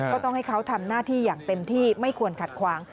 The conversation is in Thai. ก็ต้องให้เขาทำหน้าที่อย่างเต็มที่ไม่ควรขัดขวาง